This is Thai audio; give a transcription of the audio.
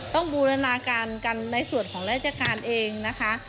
ต้องบูรณาการกันในส่วนของรายจักรการเองนะคะ